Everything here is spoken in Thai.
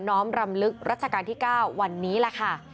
้อมรำลึกรัชกาลที่๙วันนี้แหละค่ะ